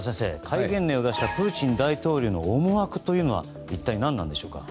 戒厳令を出したプーチン大統領の思惑というのは一体何なんでしょうか。